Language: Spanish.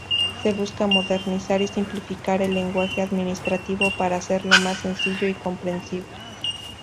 Se busca modernizar y simplificar el lenguaje administrativo para hacerlo más sencillo y comprensible.